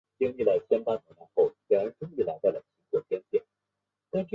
巴林的大部分岛屿位于波斯湾内的浅水湾巴林湾内。